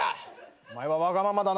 お前はわがままだな。